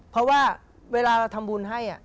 เพราะว่าเวลาทำบุญให้อะ